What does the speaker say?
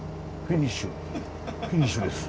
フィニッシュです。